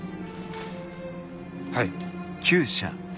はい。